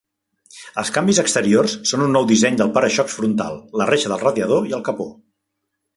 Els canvis exteriors són un nou disseny del para-xocs frontal, la reixa del radiador i el capó.